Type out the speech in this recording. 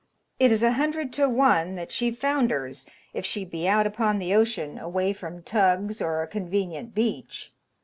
It is a hundred to one that she founders if she be out upon the ocean, away from tugs, or a convenient beach.